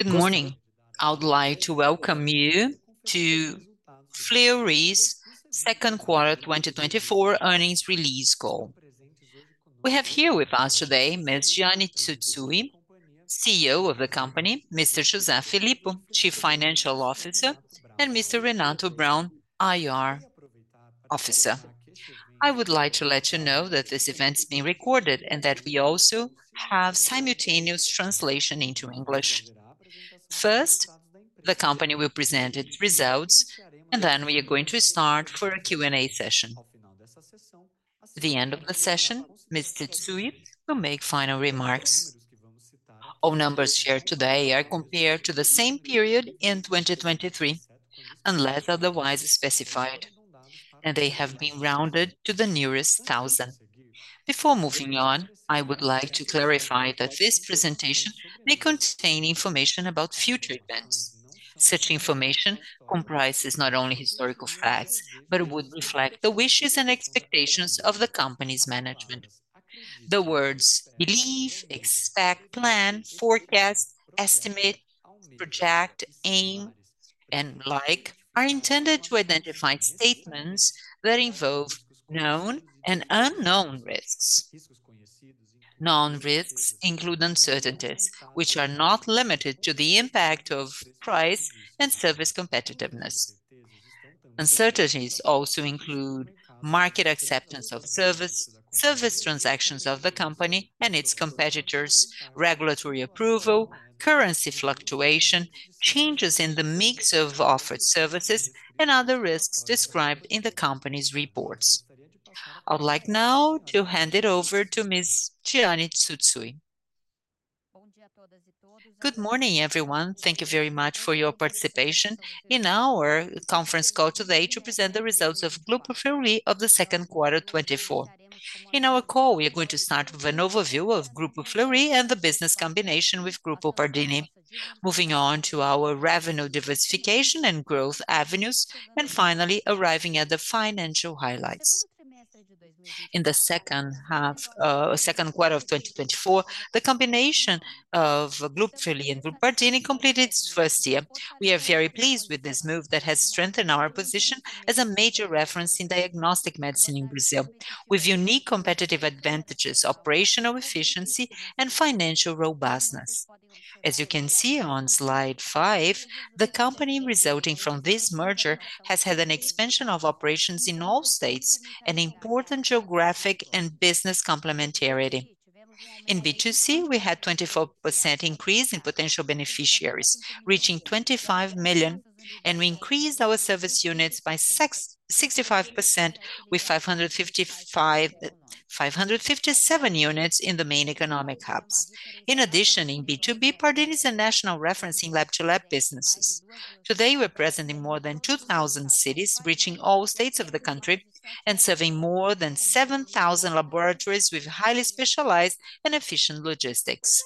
Good morning. I would like to welcome you to Fleury's Second Quarter 2024 Earnings Release Call. We have here with us today, Ms. Jeane Tsutsui, CEO of the company, Mr. José Filippo, Chief Financial Officer, and Mr. Renato Braun, IR Officer. I would like to let you know that this event is being recorded, and that we also have simultaneous translation into English. First, the company will present its results, and then we are going to start for a Q&A session. At the end of the session, Ms. Tsutsui will make final remarks. All numbers shared today are compared to the same period in 2023, unless otherwise specified, and they have been rounded to the nearest thousand. Before moving on, I would like to clarify that this presentation may contain information about future events. Such information comprises not only historical facts, but would reflect the wishes and expectations of the company's management. The words believe, expect, plan, forecast, estimate, project, aim, and like, are intended to identify statements that involve known and unknown risks. Known risks include uncertainties, which are not limited to the impact of price and service competitiveness. Uncertainties also include market acceptance of service, service transactions of the company and its competitors, regulatory approval, currency fluctuation, changes in the mix of offered services, and other risks described in the company's reports. I would like now to hand it over to Ms. Jeane Tsutsui. Good morning, everyone. Thank you very much for your participation in our conference call today to present the results of Grupo Fleury of the second quarter 2024. In our call, we are going to start with an overview of Grupo Fleury and the business combination with Grupo Pardini, moving on to our revenue diversification and growth avenues, and finally arriving at the financial highlights. In the second quarter of 2024, the combination of Grupo Fleury and Grupo Pardini completed its first year. We are very pleased with this move that has strengthened our position as a major reference in diagnostic medicine in Brazil, with unique competitive advantages, operational efficiency, and financial robustness. As you can see on slide 5, the company resulting from this merger has had an expansion of operations in all states, and important geographic and business complementarity. In B2C, we had 24% increase in potential beneficiaries, reaching 25 million, and we increased our service units by 65%, with 557 units in the main economic hubs. In addition, in B2B, Pardini is a national reference in lab-to-lab businesses. Today, we're present in more than 2,000 cities, reaching all states of the country and serving more than 7,000 laboratories with highly specialized and efficient logistics.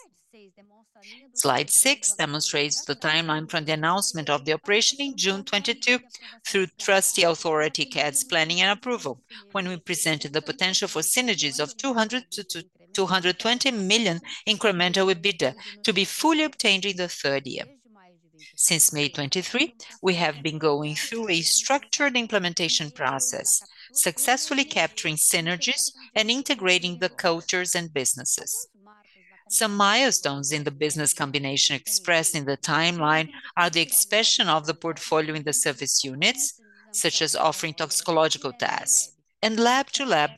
Slide 6 demonstrates the timeline from the announcement of the operation in June 2022 through trustee authority, CADE's planning and approval, when we presented the potential for synergies of 200-220 million incremental EBITDA to be fully obtained in the third year. Since May 2023, we have been going through a structured implementation process, successfully capturing synergies and integrating the cultures and businesses. Some milestones in the business combination expressed in the timeline are the expansion of the portfolio in the service units, such as offering toxicological tests, and lab-to-lab,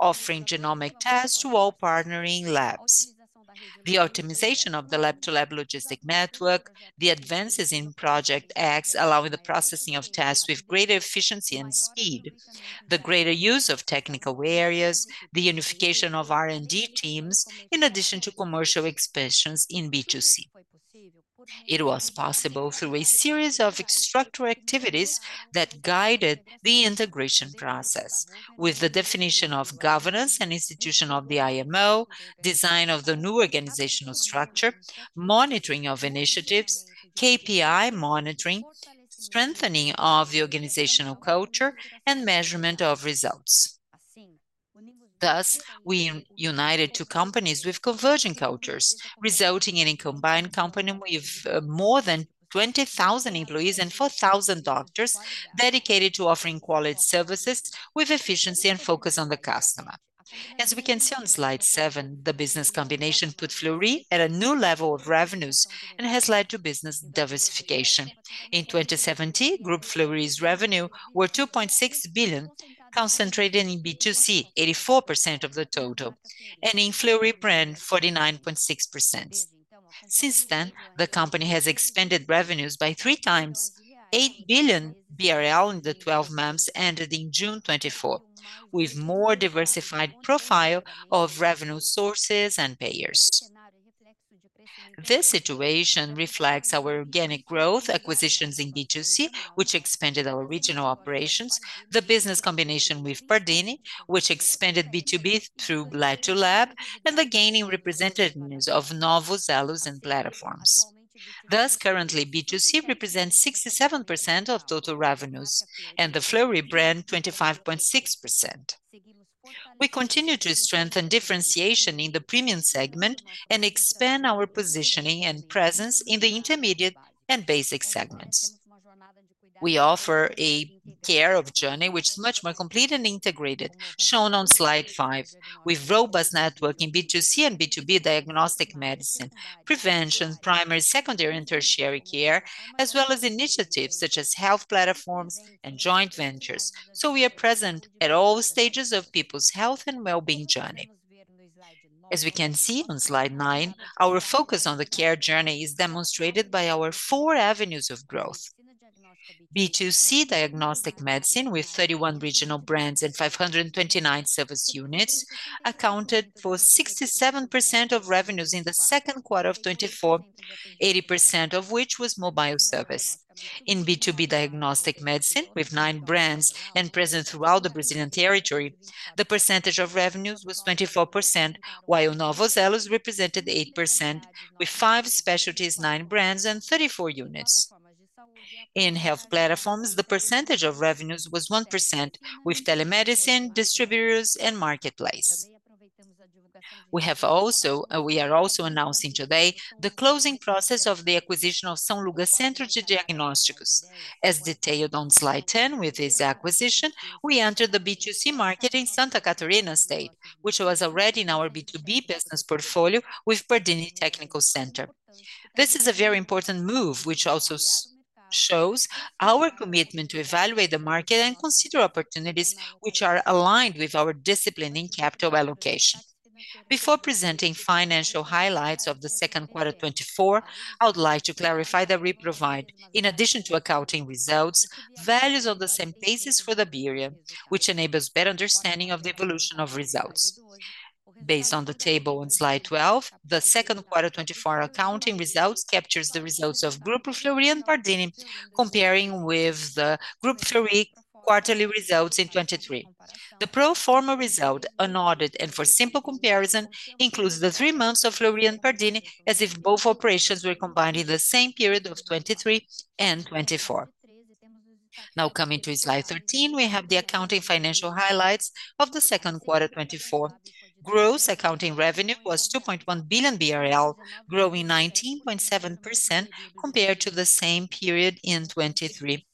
offering genomic tests to all partnering labs. The optimization of the lab-to-lab logistic network, the advances in Project X, allowing the processing of tasks with greater efficiency and speed, the greater use of technical areas, the unification of R&D teams, in addition to commercial expansions in B2C. It was possible through a series of structural activities that guided the integration process, with the definition of governance and institution of the IMO, design of the new organizational structure, monitoring of initiatives, KPI monitoring, strengthening of the organizational culture, and measurement of results. Thus, we united two companies with convergent cultures, resulting in a combined company with more than 20,000 employees and 4,000 doctors dedicated to offering quality services with efficiency and focus on the customer. As we can see on slide seven, the business combination put Fleury at a new level of revenues and has led to business diversification. In 2017, Group Fleury's revenue were 2.6 billion, concentrated in B2C, 84% of the total, and in Fleury brand, 49.6%. Since then, the company has expanded revenues by three times, 8 billion BRL in the 12 months ended in June 2024, with more diversified profile of revenue sources and payers. This situation reflects our organic growth acquisitions in B2C, which expanded our regional operations, the business combination with Pardini, which expanded B2B through lab-to-lab, and the gaining representativeness of Novos Elos and platforms. Thus, currently, B2C represents 67% of total revenues, and the Fleury brand, 25.6%. We continue to strengthen differentiation in the premium segment and expand our positioning and presence in the intermediate and basic segments. We offer a care journey, which is much more complete and integrated, shown on slide five, with robust network in B2C and B2B diagnostic medicine, prevention, primary, secondary, and tertiary care, as well as initiatives such as health platforms and joint ventures. So we are present at all stages of people's health and well-being journey. As we can see on slide nine, our focus on the care journey is demonstrated by our four avenues of growth. B2C diagnostic medicine, with 31 regional brands and 529 service units, accounted for 67% of revenues in the second quarter of 2024, 80% of which was mobile service. In B2B diagnostic medicine, with nine brands and present throughout the Brazilian territory, the percentage of revenues was 24%, while Novos Elos represented 8%, with five specialties, nine brands, and 34 units. In health platforms, the percentage of revenues was 1%, with telemedicine, distributors, and marketplace. We are also announcing today the closing process of the acquisition of São Lucas Centro de Diagnósticos. As detailed on slide 10, with this acquisition, we entered the B2C market in Santa Catarina state, which was already in our B2B business portfolio with Pardini Technical Center. This is a very important move, which also shows our commitment to evaluate the market and consider opportunities which are aligned with our discipline in capital allocation. Before presenting financial highlights of the second quarter 2024, I would like to clarify that we provide, in addition to accounting results, values of the same basis for the period, which enables better understanding of the evolution of results. Based on the table on slide 12, the second quarter 2024 accounting results captures the results of Grupo Fleury and Pardini, comparing with the Grupo Fleury quarterly results in 2023. The pro forma result, unaudited and for simple comparison, includes the three months of Fleury and Pardini, as if both operations were combined in the same period of 2023 and 2024. Now, coming to slide 13, we have the accounting financial highlights of the second quarter 2024. Gross accounting revenue was 2.1 billion BRL, growing 19.7% compared to the same period in 2023.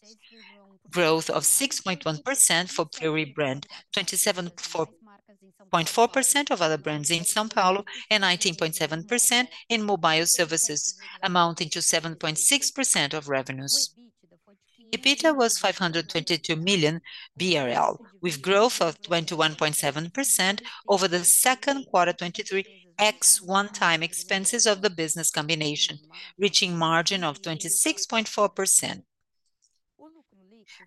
Growth of 6.1% for Fleury brand, 24.4% of other brands in São Paulo, and 19.7% in mobile services, amounting to 7.6% of revenues. EBITDA was 522 million BRL, with growth of 21.7% over the second quarter 2023, ex one-time expenses of the business combination, reaching margin of 26.4%.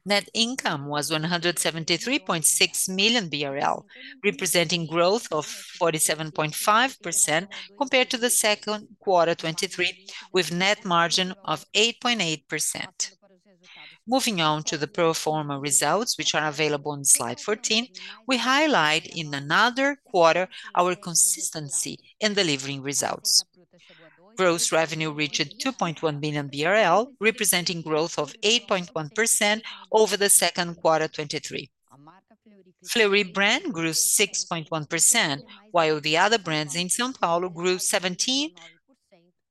Net income was 173.6 million BRL, representing growth of 47.5% compared to the second quarter 2023, with net margin of 8.8%. Moving on to the pro forma results, which are available on slide 14, we highlight in another quarter our consistency in delivering results. Gross revenue reached 2.1 billion BRL, representing growth of 8.1% over the second quarter 2023. Fleury brand grew 6.1%, while the other brands in São Paulo grew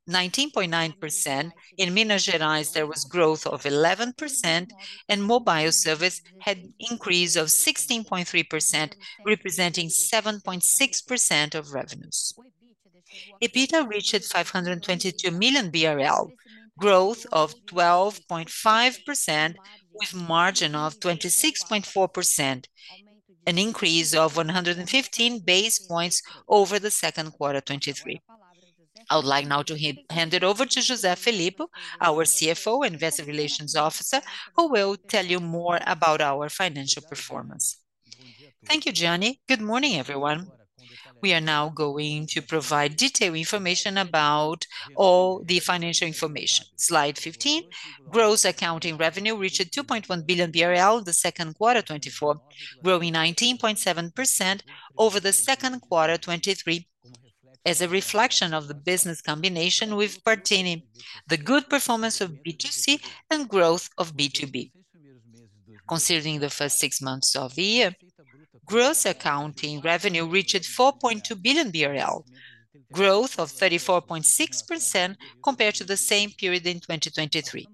17%-19.9%. In Minas Gerais, there was growth of 11%, and mobile service had increase of 16.3%, representing 7.6% of revenues. EBITDA reached 522 million BRL, growth of 12.5%, with margin of 26.4%, an increase of 115 basis points over the second quarter 2023. I would like now to hand it over to José Filippo, our CFO and Investor Relations Officer, who will tell you more about our financial performance. Thank you, Jeane. Good morning, everyone. We are now going to provide detailed information about all the financial information. Slide 15, gross accounting revenue reached 2.1 billion BRL in the second quarter 2024, growing 19.7% over the second quarter 2023. As a reflection of the business combination with Pardini, the good performance of B2C and growth of B2B. Concerning the first six months of the year, gross accounting revenue reached 4.2 billion BRL, growth of 34.6% compared to the same period in 2023.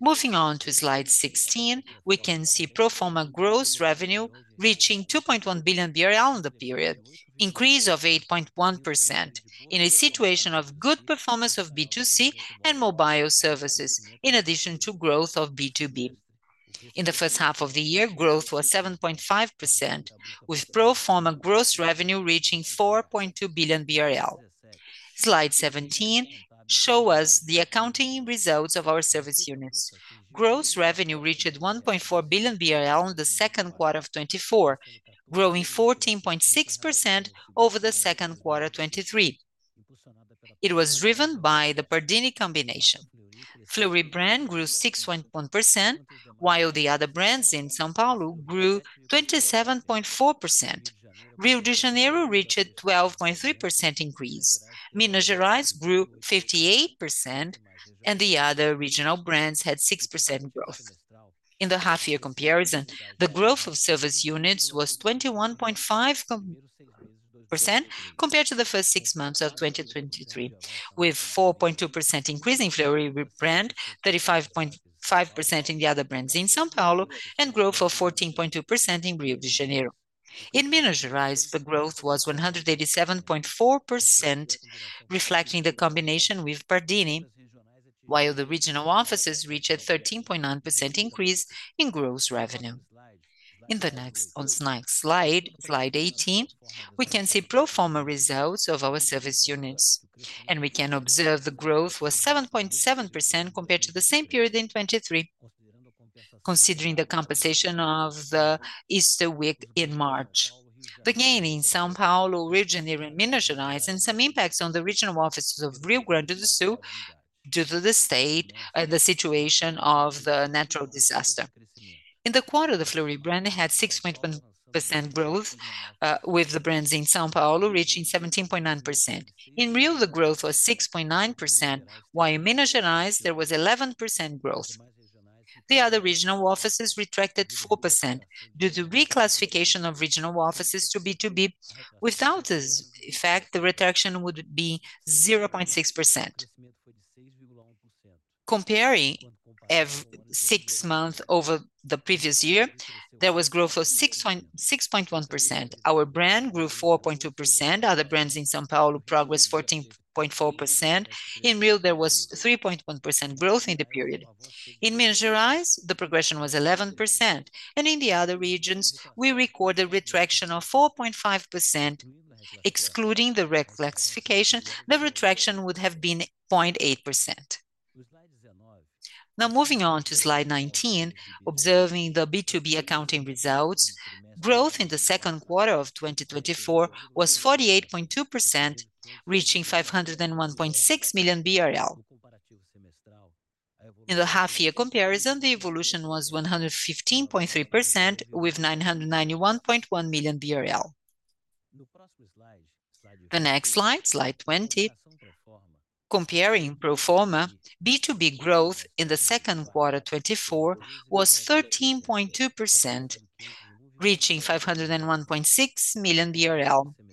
Moving on to slide 16, we can see pro forma gross revenue reaching 2.1 billion BRL in the period, increase of 8.1%, in a situation of good performance of B2C and mobile services, in addition to growth of B2B. In the first half of the year, growth was 7.5%, with pro forma gross revenue reaching 4.2 billion BRL. Slide 17 shows us the accounting results of our service units. Gross revenue reached 1.4 billion BRL in the second quarter of 2024, growing 14.6% over the second quarter of 2023. It was driven by the Pardini combination. Fleury brand grew 6.1%, while the other brands in São Paulo grew 27.4%. Rio de Janeiro reached 12.3% increase. Minas Gerais grew 58%, and the other regional brands had 6% growth. In the half-year comparison, the growth of service units was 21.5% compared to the first six months of 2023, with 4.2% increase in Fleury brand, 35.5% in the other brands in São Paulo, and growth of 14.2% in Rio de Janeiro. In Minas Gerais, the growth was 187.4%, reflecting the combination with Pardini, while the regional offices reached a 13.9% increase in gross revenue. In the next, on slide, slide 18, we can see pro forma results of our service units, and we can observe the growth was 7.7% compared to the same period in 2023, considering the compensation of the Easter week in March. The gain in São Paulo region, in Minas Gerais, and some impacts on the regional offices of Rio Grande do Sul due to the state, the situation of the natural disaster. In the quarter, the Fleury brand had 6.1% growth, with the brands in São Paulo reaching 17.9%. In Rio, the growth was 6.9%, while in Minas Gerais, there was 11% growth. The other regional offices retracted 4% due to reclassification of regional offices to B2B. Without this effect, the retraction would be 0.6%. Comparing every six months over the previous year, there was growth of 6.6, 6.1%. Our brand grew 4.2%. Other brands in São Paulo progressed 14.4%. In Rio, there was 3.1% growth in the period. In Minas Gerais, the progression was 11%, and in the other regions, we recorded a retraction of 4.5%. Excluding the reclassification, the retraction would have been 0.8%. Now, moving on to slide 19, observing the B2B accounting results, growth in the second quarter of 2024 was 48.2%, reaching 501.6 million BRL. In the half-year comparison, the evolution was 115.3%, with BRL 991.1 million. The next slide, slide 20, comparing pro forma, B2B growth in the second quarter 2024 was 13.2%, reaching 501.6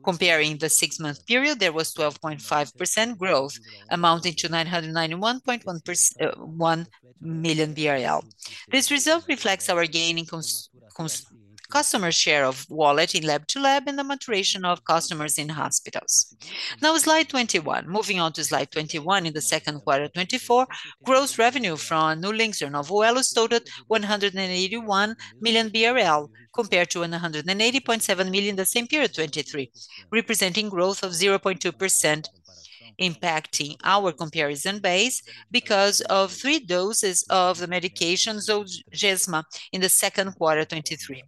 million BRL. Comparing the six-month period, there was 12.5% growth, amounting to 991.1 million BRL. This result reflects our gain in customer share of wallet in lab-to-lab and the maturation of customers in hospitals. Now, slide 21. Moving on to slide 21, in the second quarter 2024, gross revenue from Novos Elos totaled 181 million BRL, compared to 180.7 million in the same period, 2023, representing growth of 0.2%, impacting our comparison base because of three doses of the medication Zolgensma in the second quarter, 2023.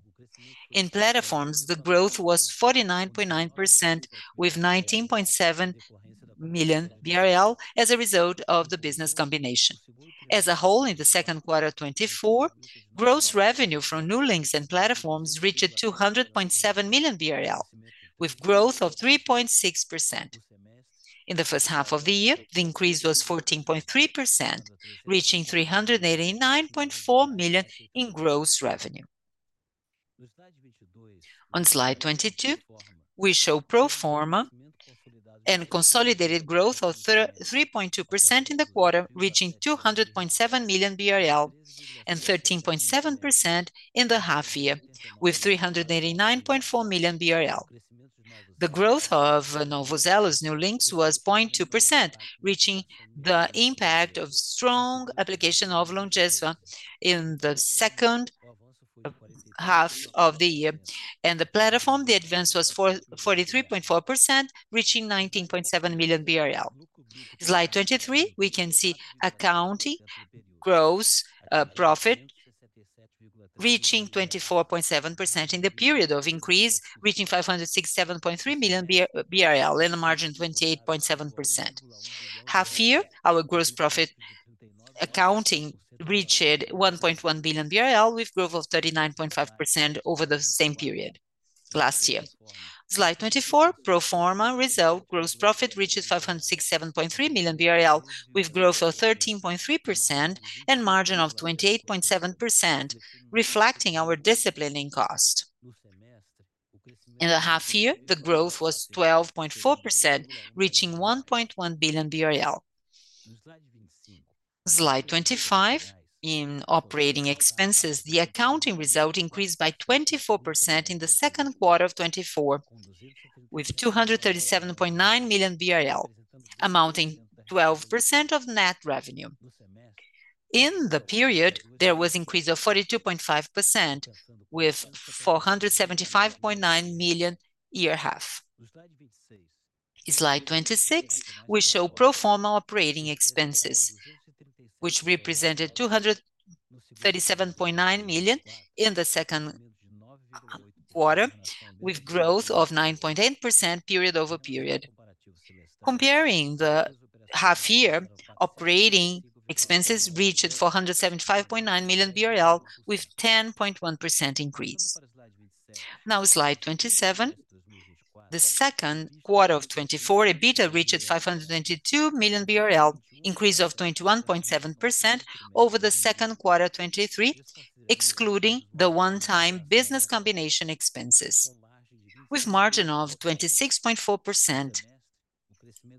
In platforms, the growth was 49.9%, with 19.7 million BRL as a result of the business combination. As a whole, in the second quarter of 2024, gross revenue from Novos Elos and platforms reached 200.7 million BRL, with growth of 3.6%. In the first half of the year, the increase was 14.3%, reaching 389.4 million in gross revenue. On slide 22, we show pro forma and consolidated growth of 3.2% in the quarter, reaching 200.7 million BRL and 13.7% in the half year, with 389.4 million BRL. The growth of Novos Elos was 0.2%, reaching the impact of strong application of Zolgensma in the second half of the year. And the platform, the advance was 43.4%, reaching 19.7 million BRL. Slide 23, we can see accounting gross profit reaching 24.7% in the period of increase, reaching 567.3 million BRL, and a margin of 28.7%. Half year, our gross profit accounting reached 1.1 billion BRL, with growth of 39.5% over the same period last year. Slide 24, pro forma result, gross profit reaches 567.3 million BRL, with growth of 13.3% and margin of 28.7%, reflecting our discipline in cost. In the half-year, the growth was 12.4%, reaching 1.1 billion BRL. Slide 25, in operating expenses, the accounting result increased by 24% in the second quarter of 2024, with 237.9 million BRL, amounting 12% of net revenue. In the period, there was increase of 42.5%, with BRL 475.9 million half-year. Slide 26, we show pro forma operating expenses, which represented 237.9 million in the second quarter, with growth of 9.8% period-over-period. Comparing the half year, operating expenses reached 475.9 million BRL, with 10.1% increase. Now, slide 27. The second quarter of 2024, EBITDA reached 522 million BRL, increase of 21.7% over the second quarter 2023, excluding the one-time business combination expenses, with margin of 26.4%.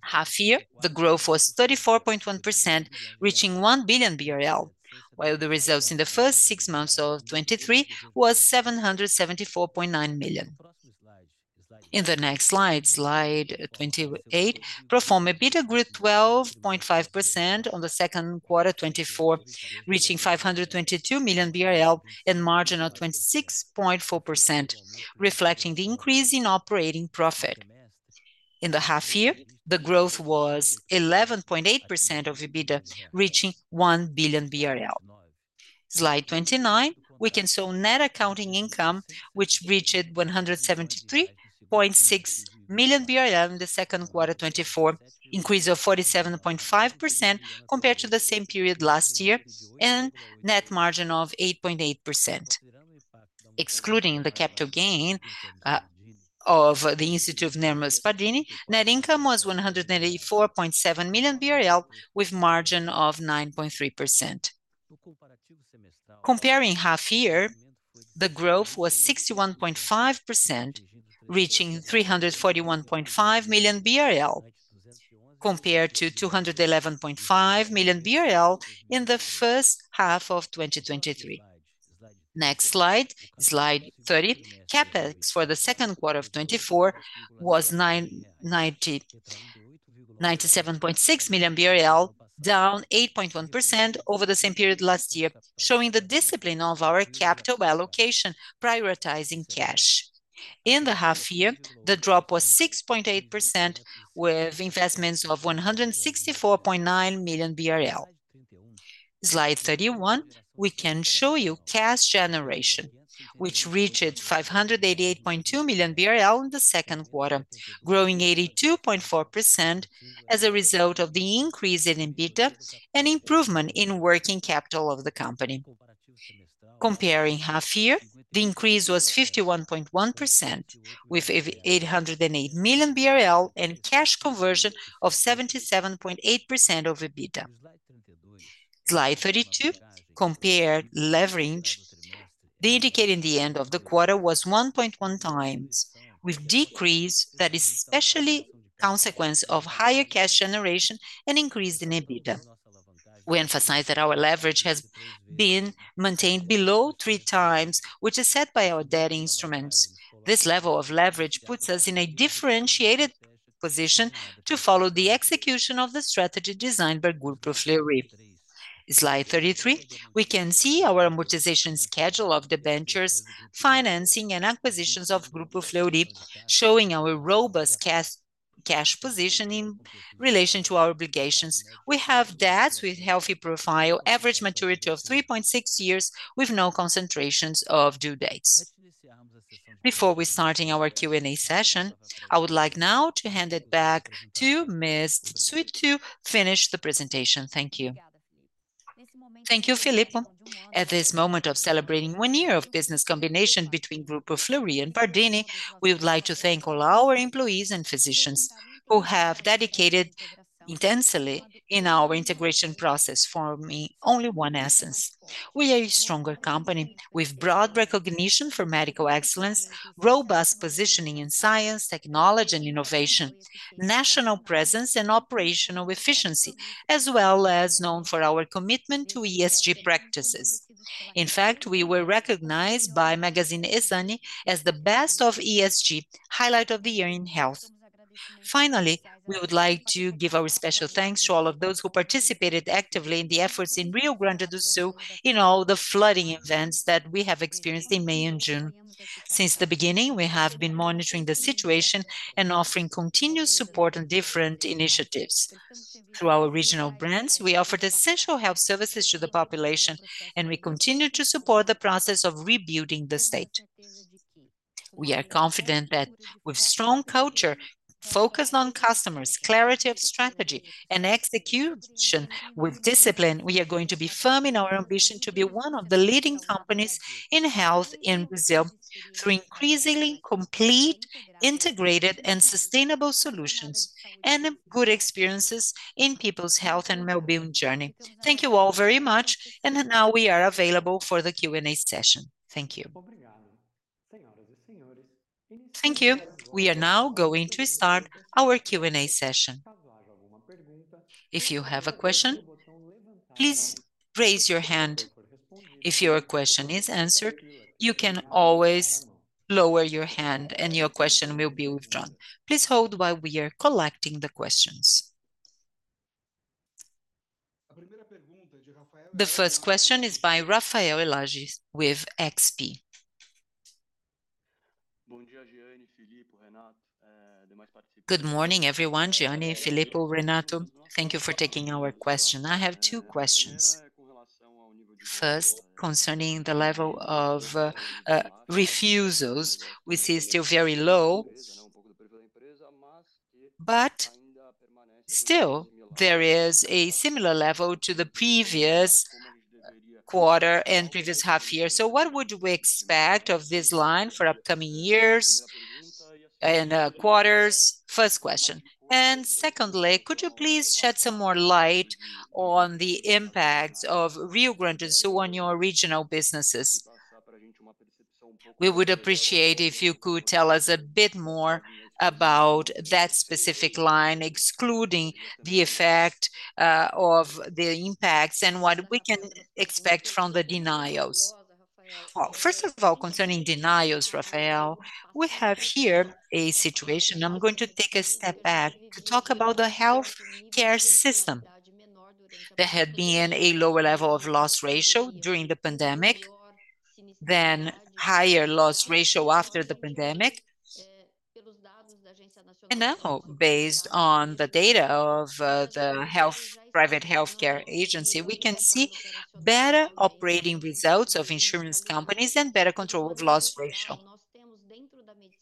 Half year, the growth was 34.1%, reaching 1 billion BRL, while the results in the first six months of 2023 was 774.9 million. In the next slide, slide 28, pro forma EBITDA grew 12.5% on the second quarter 2024, reaching 522 million BRL and margin of 26.4%, reflecting the increase in operating profit. In the half year, the growth was 11.8% of EBITDA, reaching 1 billion BRL. Slide 29, we can show net accounting income, which reached 173.6 million in the second quarter of 2024, increase of 47.5% compared to the same period last year, and net margin of 8.8%. Excluding the capital gain of the Hermes Pardini, net income was 184.7 million BRL, with margin of 9.3%. Comparing half year, the growth was 61.5%, reaching 341.5 million BRL, compared to 211.5 million BRL in the first half of 2023. Next slide, slide 30. CapEx for the second quarter of 2024 was 97.6 million BRL, down 8.1% over the same period last year, showing the discipline of our capital by allocation, prioritizing cash. In the half year, the drop was 6.8%, with investments of 164.9 million BRL. Slide 31, we can show you cash generation, which reached 588.2 million BRL in the second quarter, growing 82.4% as a result of the increase in EBITDA and improvement in working capital of the company. Comparing half year, the increase was 51.1%, with 808 million BRL and cash conversion of 77.8% of EBITDA. Slide 32, compare leverage. The indicator in the end of the quarter was 1.1x, with decrease that is especially consequence of higher cash generation and increase in EBITDA. We emphasize that our leverage has been maintained below 3x, which is set by our debt instruments. This level of leverage puts us in a differentiated position to follow the execution of the strategy designed by Grupo Fleury. Slide 33, we can see our amortization schedule of debentures, financing, and acquisitions of Grupo Fleury, showing our robust cash position in relation to our obligations. We have debts with healthy profile, average maturity of 3.6 years, with no concentrations of due dates. Before we start our Q&A session, I would like now to hand it back to Ms. Tsutsui to finish the presentation. Thank you. Thank you, Filippo. At this moment of celebrating one year of business combination between Grupo Fleury and Pardini, we would like to thank all our employees and physicians who have dedicated intensely in our integration process, forming only one essence. We are a stronger company with broad recognition for medical excellence, robust positioning in science, technology, and innovation, national presence, and operational efficiency, as well as known for our commitment to ESG practices. In fact, we were recognized by Exame as the best of ESG, highlight of the year in health. Finally, we would like to give our special thanks to all of those who participated actively in the efforts in Rio Grande do Sul in all the flooding events that we have experienced in May and June. Since the beginning, we have been monitoring the situation and offering continuous support on different initiatives. Through our regional brands, we offered essential health services to the population, and we continue to support the process of rebuilding the state. We are confident that with strong culture, focused on customers, clarity of strategy, and execution with discipline, we are going to be firm in our ambition to be one of the leading companies in health in Brazil, through increasingly complete, integrated, and sustainable solutions, and good experiences in people's health and wellbeing journey. Thank you all very much, and now we are available for the Q&A session. Thank you. Thank you. We are now going to start our Q&A session. If you have a question, please raise your hand. If your question is answered, you can always lower your hand and your question will be withdrawn. Please hold while we are collecting the questions. The first question is by Raphael Elage with XP. Good morning, everyone, Jeane, Filippo, Renato. Thank you for taking our question. I have two questions. First, concerning the level of refusals, which is still very low, but still there is a similar level to the previous quarter and previous half year. So what would we expect of this line for upcoming years and quarters? First question. And secondly, could you please shed some more light on the impacts of Rio Grande do Sul on your regional businesses? We would appreciate if you could tell us a bit more about that specific line, excluding the effect of the impacts and what we can expect from the denials. Well, first of all, concerning denials, Raphael, we have here a situation. I'm going to take a step back to talk about the healthcare system. There had been a lower level of loss ratio during the pandemic, then higher loss ratio after the pandemic. And now, based on the data of the private healthcare agency, we can see better operating results of insurance companies and better control of loss ratio.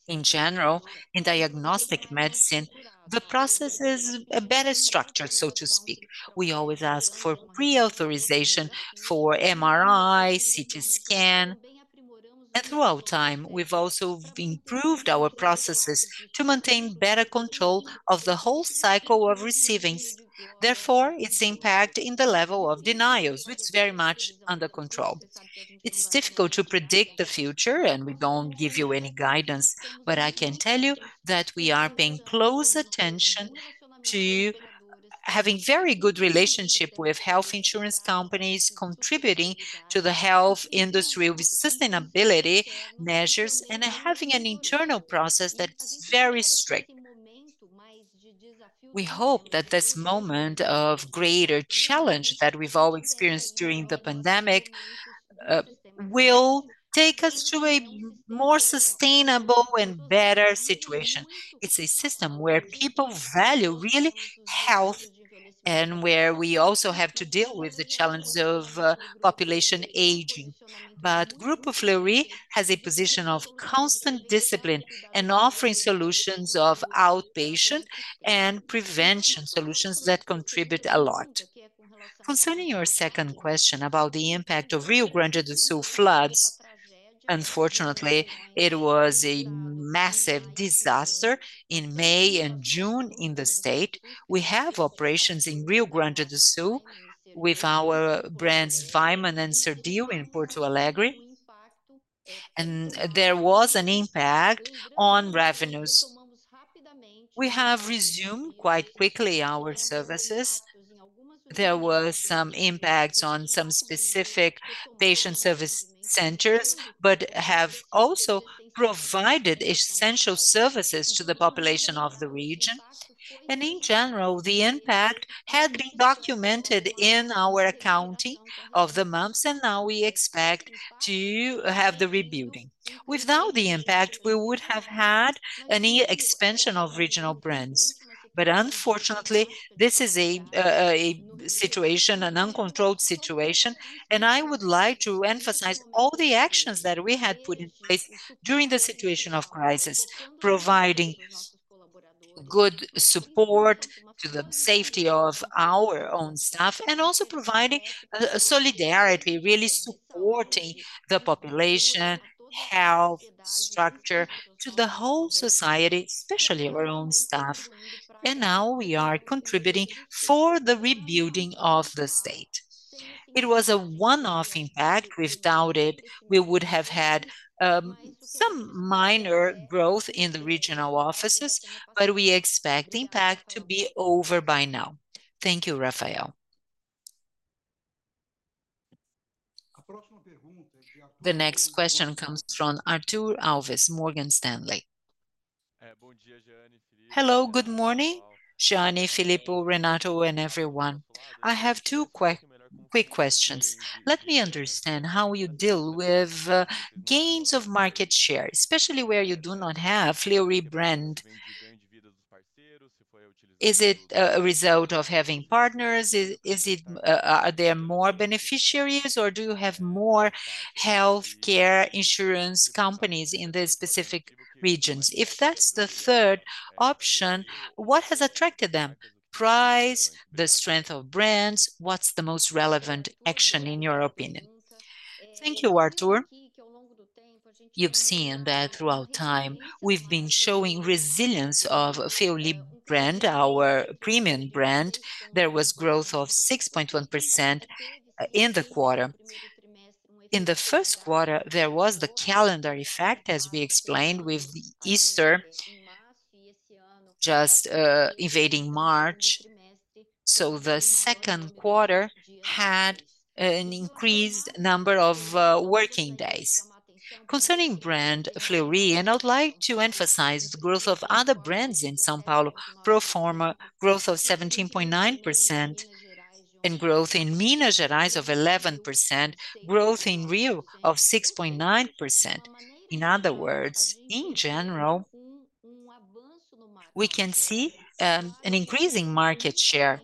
In general, in diagnostic medicine, the process is better structured, so to speak. We always ask for pre-authorization for MRI, CT scan, and throughout time, we've also improved our processes to maintain better control of the whole cycle of receivings. Therefore, its impact in the level of denials, it's very much under control. It's difficult to predict the future, and we don't give you any guidance, but I can tell you that we are paying close attention to having very good relationship with health insurance companies, contributing to the health industry with sustainability measures, and having an internal process that's very strict. We hope that this moment of greater challenge that we've all experienced during the pandemic will take us to a more sustainable and better situation. It's a system where people value, really, health, and where we also have to deal with the challenges of population aging. But Grupo Fleury has a position of constant discipline and offering solutions of outpatient and prevention solutions that contribute a lot. Concerning your second question about the impact of Rio Grande do Sul floods, unfortunately, it was a massive disaster in May and June in the state. We have operations in Rio Grande do Sul with our brands Weinmann and Serdil in Porto Alegre, and there was an impact on revenues. We have resumed quite quickly our services. There were some impacts on some specific patient service centers, but have also provided essential services to the population of the region, and in general, the impact had been documented in our accounting of the months, and now we expect to have the rebuilding. Without the impact, we would have had an expansion of regional brands, but unfortunately, this is a, a situation, an uncontrolled situation. I would like to emphasize all the actions that we had put in place during the situation of crisis, providing good support to the safety of our own staff, and also providing solidarity, really supporting the population, health structure to the whole society, especially our own staff. Now we are contributing for the rebuilding of the state. It was a one-off impact. Without it, we would have had some minor growth in the regional offices, but we expect impact to be over by now. Thank you, Rafael. The next question comes from Arthur Alves, Morgan Stanley. Hello, good morning, Jeane, Filippo, Renato, and everyone. I have two quick questions. Let me understand how you deal with gains of market share, especially where you do not have Fleury brand. Is it a result of having partners? Are there more beneficiaries, or do you have more healthcare insurance companies in the specific regions? If that's the third option, what has attracted them? Price, the strength of brands? What's the most relevant action in your opinion? Thank you, Arthur. You've seen that throughout time we've been showing resilience of Fleury brand, our premium brand. There was growth of 6.1% in the quarter. In the first quarter, there was the calendar effect, as we explained, with Easter just evading March. So the second quarter had an increased number of working days. Concerning brand Fleury, and I'd like to emphasize the growth of other brands in São Paulo, pro forma growth of 17.9%, and growth in Minas Gerais of 11%, growth in Rio of 6.9%. In other words, in general, we can see an increasing market share.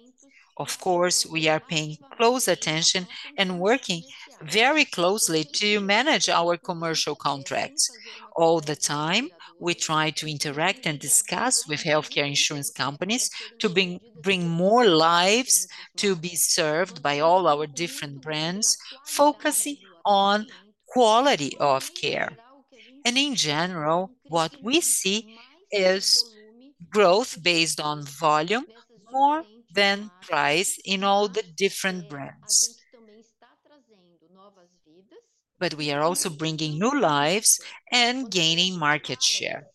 Of course, we are paying close attention and working very closely to manage our commercial contracts. All the time, we try to interact and discuss with healthcare insurance companies to bring, bring more lives to be served by all our different brands, focusing on quality of care. And in general, what we see is growth based on volume more than price in all the different brands. But we are also bringing new lives and gaining market share.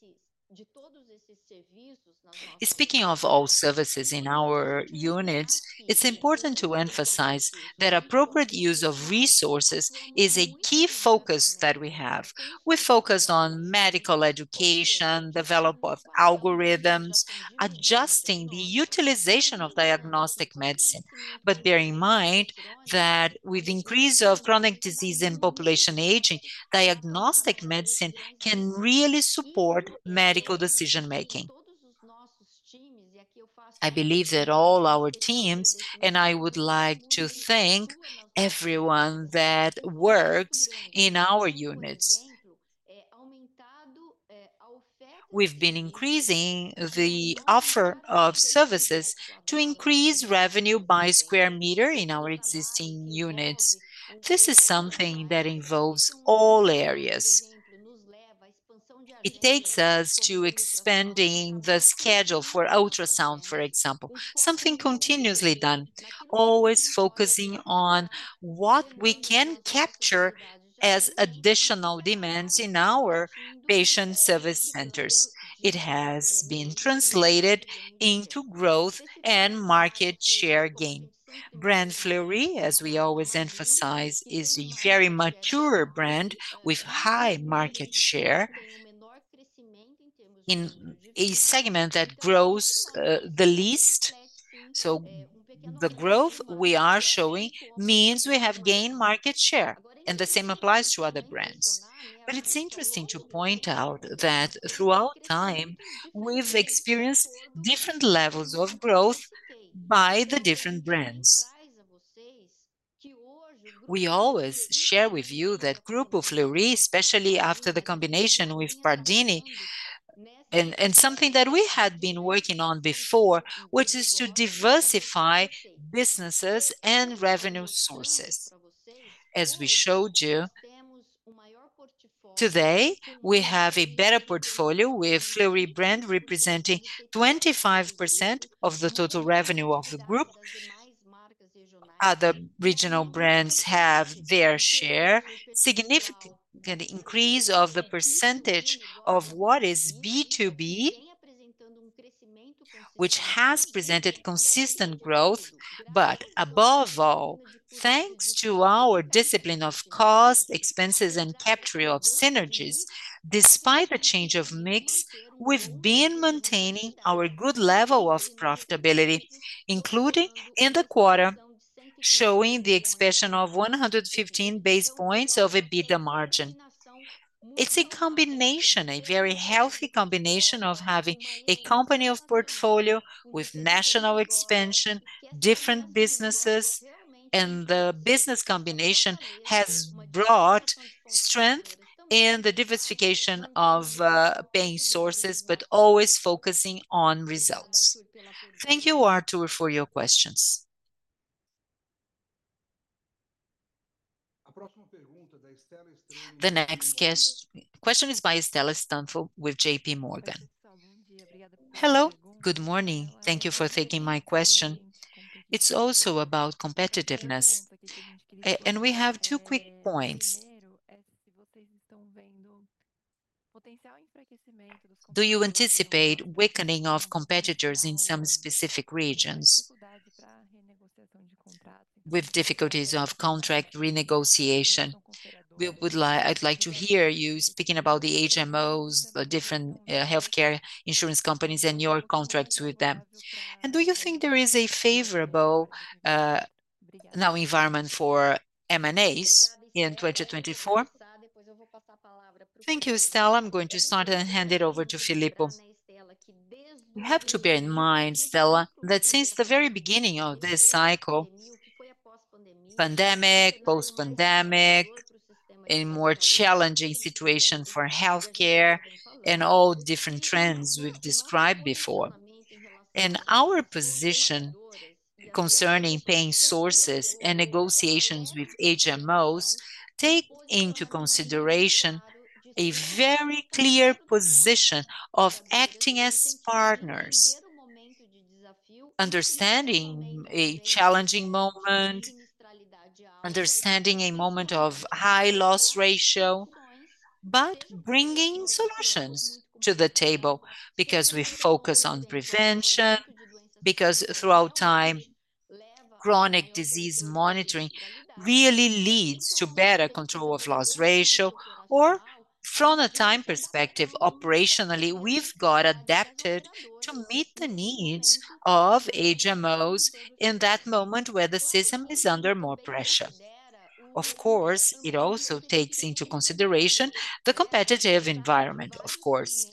Speaking of all services in our units, it's important to emphasize that appropriate use of resources is a key focus that we have. We're focused on medical education, development of algorithms, adjusting the utilization of diagnostic medicine. But bear in mind that with increase of chronic disease and population aging, diagnostic medicine can really support medical decision-making. I believe that all our teams, and I would like to thank everyone that works in our units. We've been increasing the offer of services to increase revenue by square meter in our existing units. This is something that involves all areas. It takes us to expanding the schedule for ultrasound, for example, something continuously done, always focusing on what we can capture as additional demands in our patient service centers. It has been translated into growth and market share gain. Fleury brand, as we always emphasize, is a very mature brand with high market share in a segment that grows the least. So the growth we are showing means we have gained market share, and the same applies to other brands. But it's interesting to point out that throughout time, we've experienced different levels of growth by the different brands. We always share with you that Grupo Fleury, especially after the combination with Pardini, and something that we had been working on before, which is to diversify businesses and revenue sources. As we showed you, today, we have a better portfolio, with Fleury brand representing 25% of the total revenue of the group. Other regional brands have their share. Significant increase of the percentage of what is B2B, which has presented consistent growth, but above all, thanks to our discipline of cost, expenses, and capture of synergies. Despite a change of mix, we've been maintaining our good level of profitability, including in the quarter, showing the expansion of 115 basis points of EBITDA margin. It's a combination, a very healthy combination of having a company of portfolio with national expansion, different businesses, and the business combination has brought strength in the diversification of paying sources, but always focusing on results. Thank you, Arthur, for your questions. The next question is by Estelle Stanfill with JPMorgan. Hello, good morning. Thank you for taking my question. It's also about competitiveness, and we have two quick points. Do you anticipate weakening of competitors in some specific regions with difficulties of contract renegotiation? We would like. I'd like to hear you speaking about the HMOs, the different healthcare insurance companies, and your contracts with them. And do you think there is a favorable new environment for M&As in 2024? Thank you, Estelle. I'm going to start and hand it over to Filippo. You have to bear in mind, Estelle, that since the very beginning of this cycle, pandemic, post-pandemic, a more challenging situation for healthcare and all different trends we've described before. Our position concerning paying sources and negotiations with HMOs take into consideration a very clear position of acting as partners, understanding a challenging moment, understanding a moment of high loss ratio, but bringing solutions to the table because we focus on prevention, because throughout time, chronic disease monitoring really leads to better control of loss ratio, or from a time perspective, operationally, we've got adapted to meet the needs of HMOs in that moment where the system is under more pressure. Of course, it also takes into consideration the competitive environment, of course.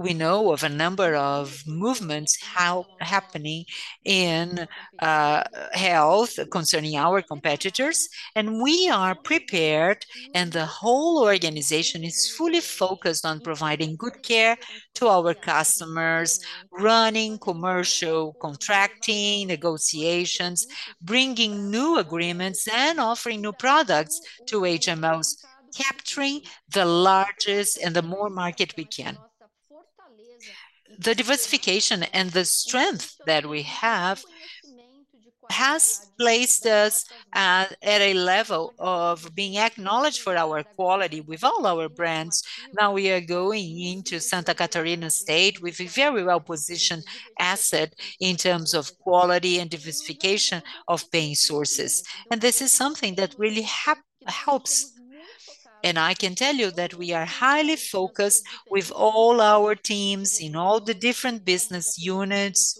We know of a number of movements happening in health concerning our competitors, and we are prepared, and the whole organization is fully focused on providing good care to our customers, running commercial, contracting, negotiations, bringing new agreements, and offering new products to HMOs, capturing the largest and the more market we can. The diversification and the strength that we have has placed us at a level of being acknowledged for our quality with all our brands. Now, we are going into Santa Catarina State with a very well-positioned asset in terms of quality and diversification of paying sources. This is something that really helps, and I can tell you that we are highly focused with all our teams in all the different business units.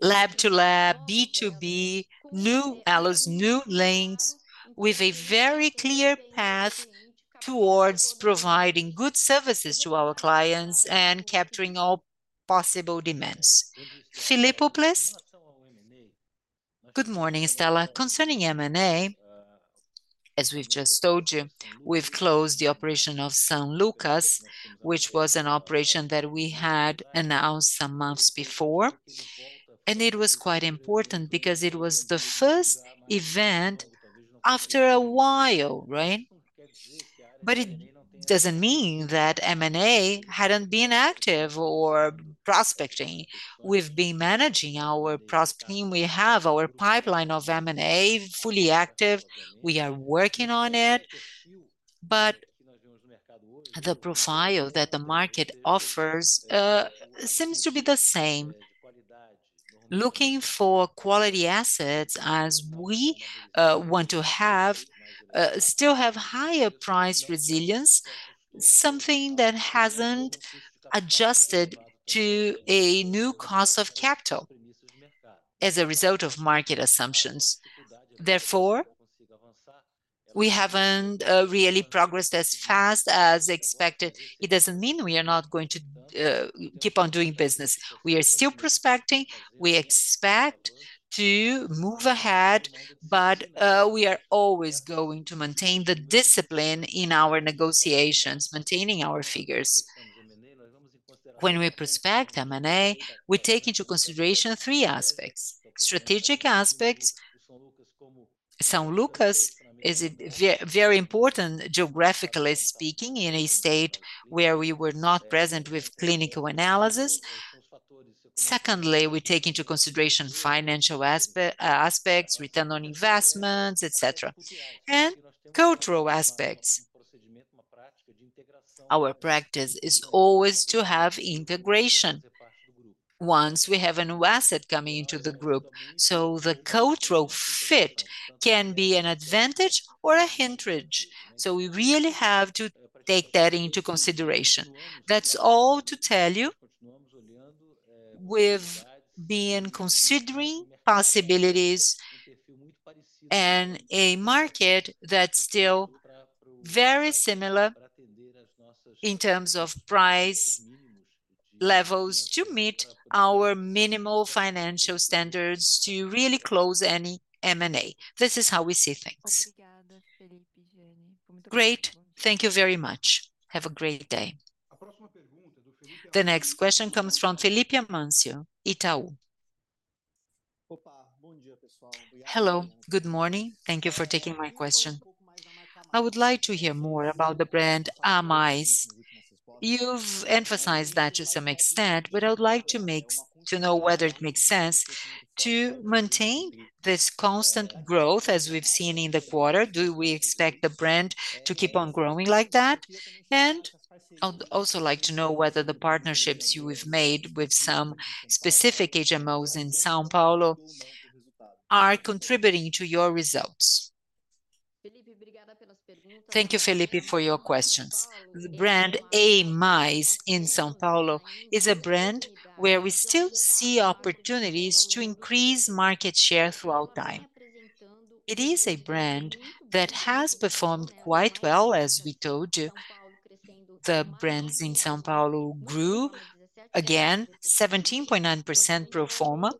Lab-to-lab, B2B, Novos Elos, with a very clear path towards providing good services to our clients and capturing all possible demands. Filippo, please. Good morning, Estella. Concerning M&A, as we've just told you, we've closed the operation of São Lucas, which was an operation that we had announced some months before, and it was quite important because it was the first event after a while, right? But it doesn't mean that M&A hadn't been active or prospecting. We've been managing our prospect team. We have our pipeline of M&A fully active. We are working on it, but the profile that the market offers seems to be the same. Looking for quality assets as we want to have still have higher price resilience, something that hasn't adjusted to a new cost of capital as a result of market assumptions. Therefore, we haven't really progressed as fast as expected. It doesn't mean we are not going to keep on doing business. We are still prospecting. We expect to move ahead, but we are always going to maintain the discipline in our negotiations, maintaining our figures. When we prospect M&A, we take into consideration three aspects: strategic aspects. São Lucas is very important, geographically speaking, in a state where we were not present with clinical analysis. Secondly, we take into consideration financial aspects, return on investments, et cetera, and cultural aspects. Our practice is always to have integration once we have a new asset coming into the group, so the cultural fit can be an advantage or a hindrance. So we really have to take that into consideration. That's all to tell you. We've been considering possibilities and a market that's still very similar in terms of price levels to meet our minimal financial standards to really close any M&A. This is how we see things. Great. Thank you very much. Have a great day. The next question comes from Felipe Amancio, Itaú. Hello, good morning. Thank you for taking my question. I would like to hear more about the brand A+. You've emphasized that to some extent, but I would like to know whether it makes sense to maintain this constant growth, as we've seen in the quarter. Do we expect the brand to keep on growing like that? And I'd also like to know whether the partnerships you have made with some specific HMOs in São Paulo are contributing to your results. Thank you, Felipe, for your questions. The brand A+ in São Paulo is a brand where we still see opportunities to increase market share throughout time. It is a brand that has performed quite well, as we told you. The brands in São Paulo grew, again, 17.9% pro forma.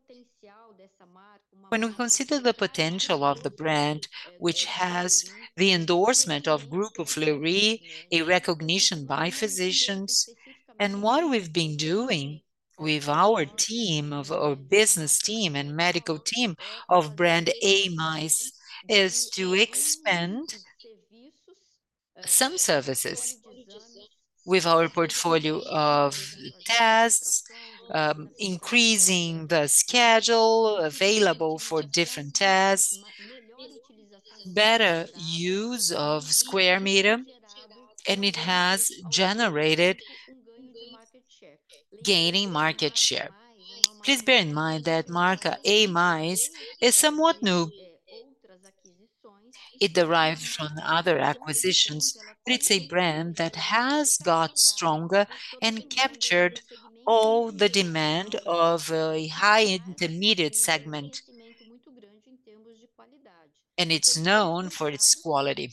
When we consider the potential of the brand, which has the endorsement of Grupo Fleury, a recognition by physicians, and what we've been doing with our team of our business team and medical team of brand A+ is to expand some services with our portfolio of tests, increasing the schedule available for different tests, better use of square meter, and it has generated gaining market share. Please bear in mind that brand A+ is somewhat new. It derives from other acquisitions, but it's a brand that has got stronger and captured all the demand of a high intermediate segment, and it's known for its quality.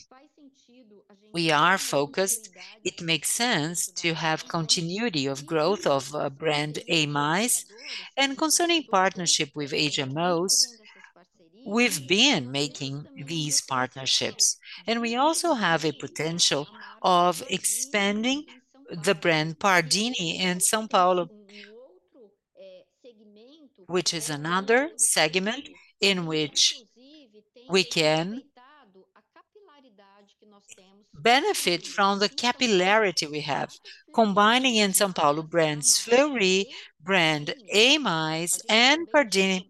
We are focused. It makes sense to have continuity of growth of brand A+. Concerning partnership with HMOs, we've been making these partnerships, and we also have a potential of expanding the brand Pardini in São Paulo. Which is another segment in which we can benefit from the capillarity we have, combining in São Paulo brands Fleury, brand Amil, and Pardini.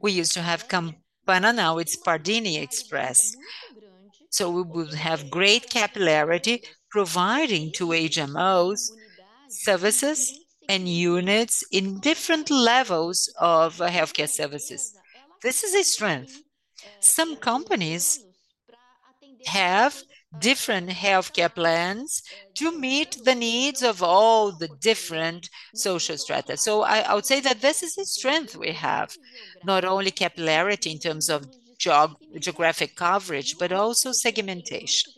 We used to have Campana, now it's Pardini Express. So we will have great capillarity, providing to HMOs services and units in different levels of healthcare services. This is a strength. Some companies have different healthcare plans to meet the needs of all the different social strata. So I, I would say that this is a strength we have, not only capillarity in terms of geographic coverage, but also segmentation.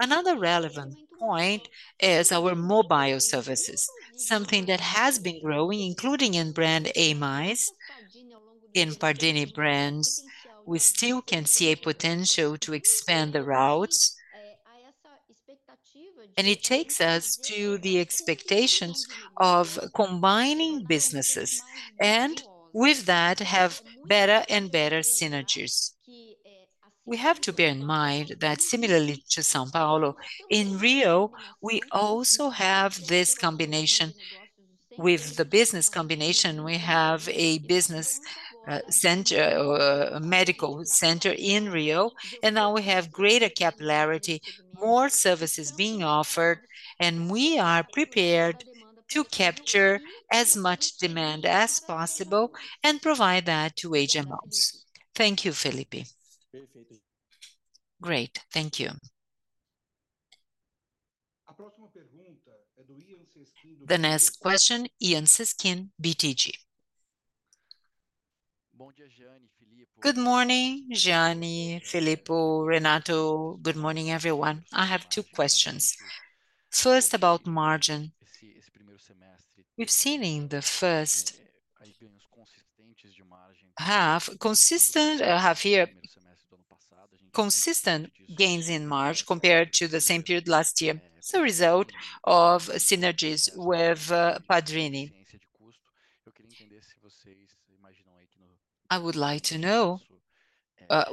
Another relevant point is our mobile services, something that has been growing, including in brand Amil. In Pardini brands, we still can see a potential to expand the routes. And it takes us to the expectations of combining businesses, and with that, have better and better synergies. We have to bear in mind that similarly to São Paulo, in Rio, we also have this combination. With the business combination, we have a business center, medical center in Rio, and now we have greater capillarity, more services being offered, and we are prepared to capture as much demand as possible and provide that to HMOs. Thank you, Felipe. Great. Thank you. The next question, Yan Cesquim, BTG. Good morning, Jeane, Filippo, Renato. Good morning, everyone. I have two questions. First, about margin. We've seen in the first half, consistent half year, consistent gains in margin compared to the same period last year. It's a result of synergies with Pardini. I would like to know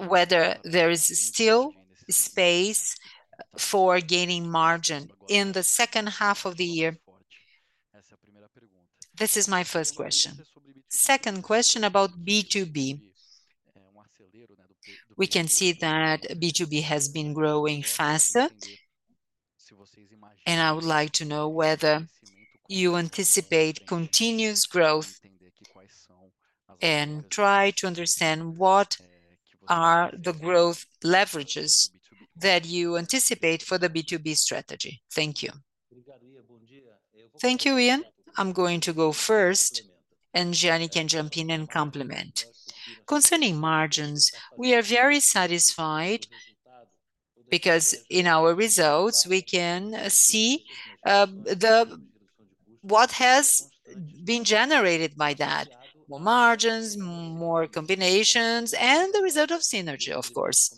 whether there is still space for gaining margin in the second half of the year. This is my first question. Second question about B2B. We can see that B2B has been growing faster, and I would like to know whether you anticipate continuous growth, and try to understand what are the growth leverages that you anticipate for the B2B strategy. Thank you. Thank you, Yan. I'm going to go first, and Jeane can jump in and complement. Concerning margins, we are very satisfied, because in our results, we can see what has been generated by that: more margins, more combinations, and the result of synergy, of course.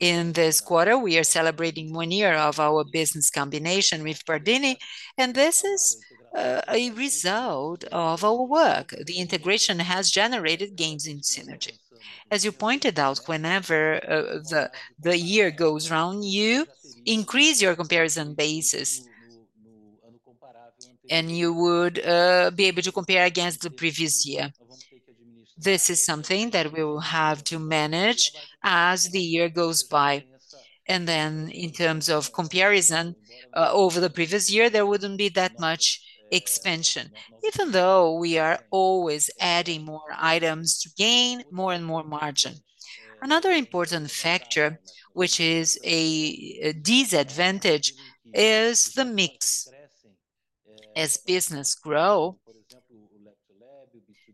In this quarter, we are celebrating one year of our business combination with Pardini, and this is a result of our work. The integration has generated gains in synergy. As you pointed out, whenever the year goes round, you increase your comparison basis, and you would be able to compare against the previous year. This is something that we will have to manage as the year goes by. Then, in terms of comparison, over the previous year, there wouldn't be that much expansion, even though we are always adding more items to gain more and more margin. Another important factor, which is a disadvantage, is the mix. As businesses grow,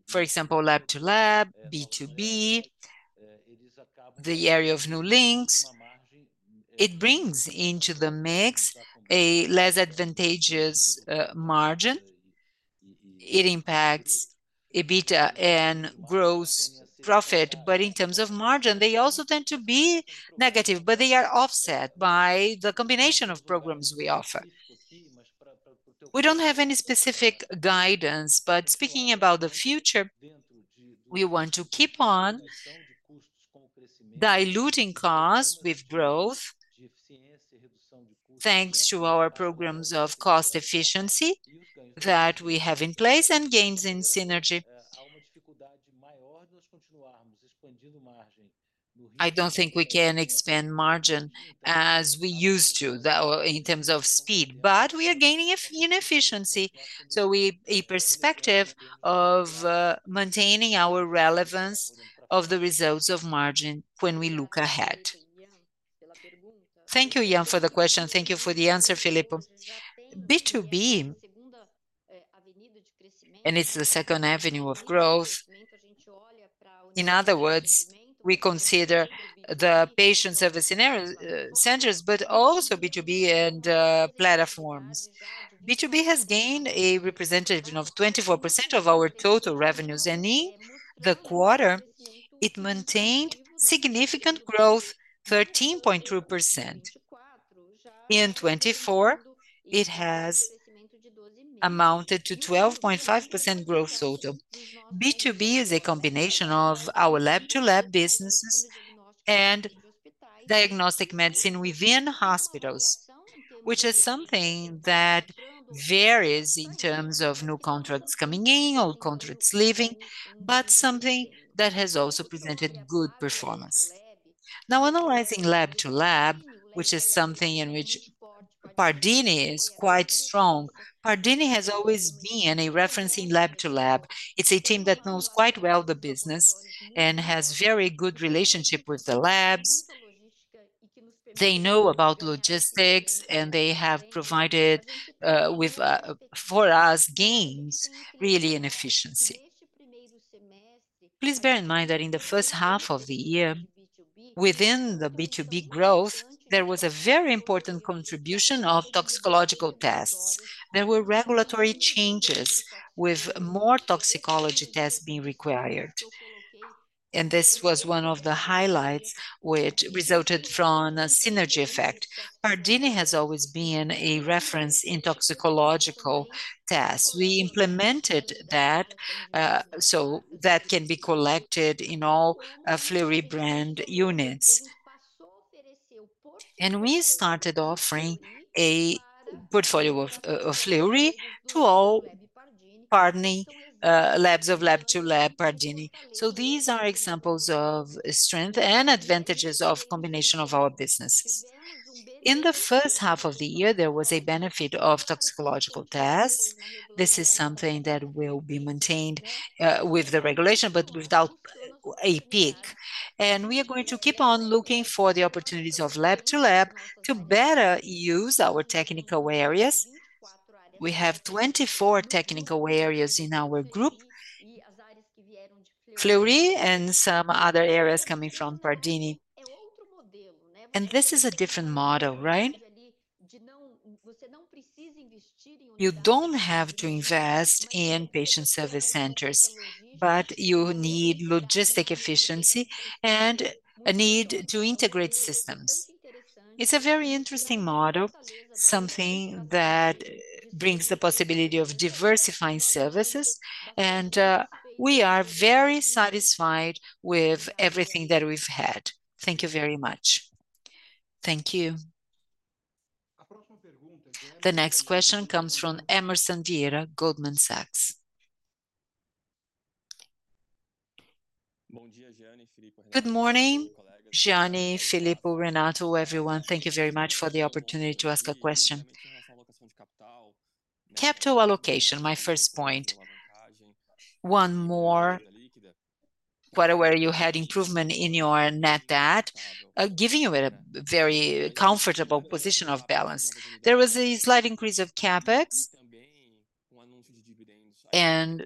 for example, Lab-to-lab, B2B, the area of Novos Elos, it brings into the mix a less advantageous margin. It impacts EBITDA and gross profit, but in terms of margin, they also tend to be negative, but they are offset by the combination of programs we offer. We don't have any specific guidance, but speaking about the future, we want to keep on diluting costs with growth, thanks to our programs of cost efficiency that we have in place and gains in synergy. I don't think we can expand margin as we used to in terms of speed, but we are gaining in efficiency, so a perspective of maintaining our relevance of the results of margin when we look ahead. Thank you, Yan, for the question. Thank you for the answer, Filippo. B2B, and it's the second avenue of growth. In other words, we consider the patient service centers, but also B2B and platforms. B2B has gained a representation of 24% of our total revenues, and in the quarter, it maintained significant growth, 13.2%. In 2024, it has amounted to 12.5% growth total. B2B is a combination of our lab-to-lab businesses and diagnostic medicine within hospitals, which is something that varies in terms of new contracts coming in, old contracts leaving, but something that has also presented good performance. Now, analyzing lab-to-lab, which is something in which Pardini is quite strong. Pardini has always been a referencing lab-to-lab. It's a team that knows quite well the business, and has very good relationship with the labs. They know about logistics, and they have provided, with, for us, gains, really, in efficiency. Please bear in mind that in the first half of the year, within the B2B growth, there was a very important contribution of toxicological tests. There were regulatory changes with more toxicology tests being required, and this was one of the highlights which resulted from a synergy effect. Pardini has always been a reference in toxicological tests. We implemented that, so that can be collected in all, Fleury brand units. And we started offering a portfolio of, of Fleury to all Pardini, labs of lab-to-lab Pardini. So these are examples of strength and advantages of combination of our businesses. In the first half of the year, there was a benefit of toxicological tests. This is something that will be maintained, with the regulation, but without a peak. And we are going to keep on looking for the opportunities of lab-to-lab to better use our technical areas. We have 24 technical areas in our group, Fleury and some other areas coming from Pardini. And this is a different model, right? You don't have to invest in patient service centers, but you need logistic efficiency and a need to integrate systems. It's a very interesting model, something that brings the possibility of diversifying services, and we are very satisfied with everything that we've had. Thank you very much. Thank you. The next question comes from Emerson Vieira, Goldman Sachs. Good morning, Jeane, Filippo, Renato, everyone. Thank you very much for the opportunity to ask a question. Capital allocation, my first point. I'm quite aware you had improvement in your net debt, giving you a very comfortable position of balance. There was a slight increase of CapEx and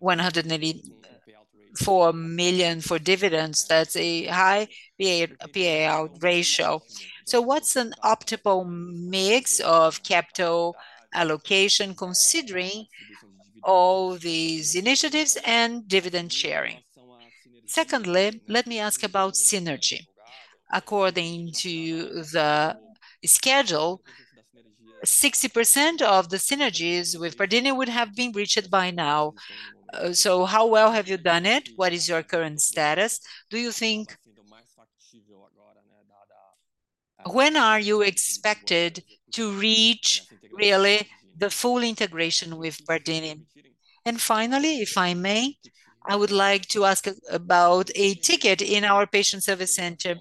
184 million for dividends. That's a high payout ratio. So what's an optimal mix of capital allocation, considering all these initiatives and dividend sharing? Secondly, let me ask about synergy. According to the schedule, 60% of the synergies with Pardini would have been reached by now. So how well have you done it? What is your current status? Do you think... When are you expected to reach, really, the full integration with Pardini? And finally, if I may, I would like to ask about a ticket in our patient service center.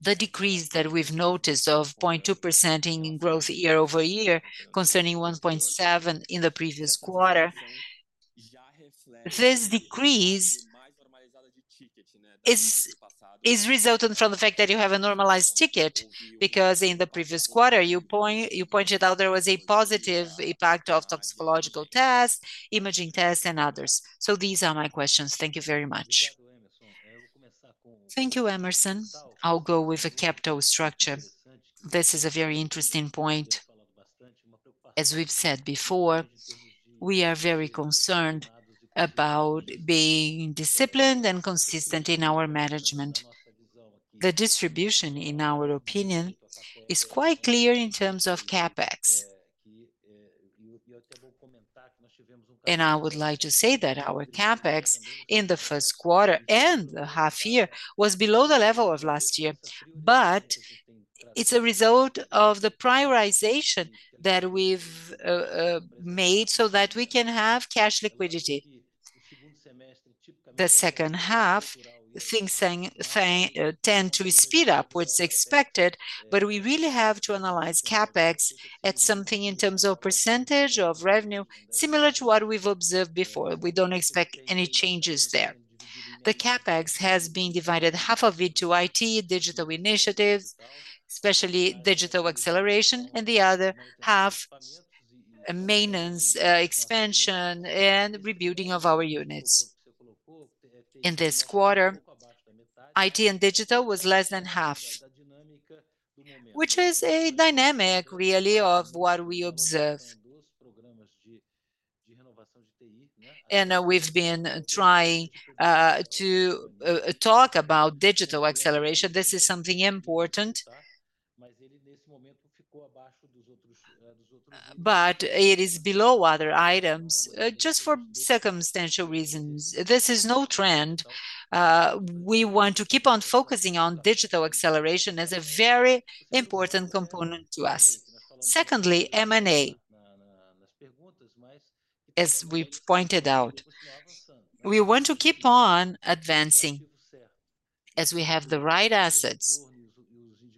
The decrease that we've noticed of 0.2% in growth year-over-year, concerning 1.7 in the previous quarter. This decrease is resulting from the fact that you have a normalized ticket, because in the previous quarter, you pointed out there was a positive impact of toxicological tests, imaging tests, and others. So these are my questions. Thank you very much. Thank you, Emerson. I'll go with the capital structure. This is a very interesting point. As we've said before, we are very concerned about being disciplined and consistent in our management. The distribution, in our opinion, is quite clear in terms of CapEx. I would like to say that our CapEx in the first quarter and the half year was below the level of last year, but it's a result of the prioritization that we've made so that we can have cash liquidity. The second half, things tend to speed up, which is expected, but we really have to analyze CapEx at something in terms of percentage of revenue, similar to what we've observed before. We don't expect any changes there. The CapEx has been divided, half of it to IT, digital initiatives, especially digital acceleration, and the other half, maintenance, expansion, and rebuilding of our units. In this quarter, IT and digital was less than half, which is a dynamic, really, of what we observe... and we've been trying to talk about digital acceleration. This is something important, but it is below other items just for circumstantial reasons. This is no trend. We want to keep on focusing on digital acceleration as a very important component to us. Secondly, M&A. As we pointed out, we want to keep on advancing. As we have the right assets,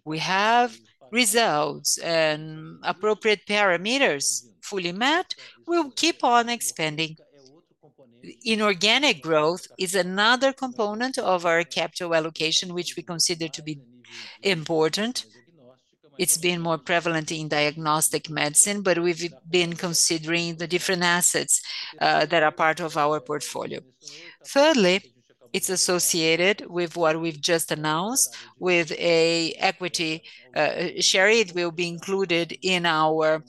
we have results and appropriate parameters fully met, we'll keep on expanding. Inorganic growth is another component of our capital allocation, which we consider to be important. It's been more prevalent in diagnostic medicine, but we've been considering the different assets that are part of our portfolio. Thirdly, it's associated with what we've just announced with an equity share. It will be included in our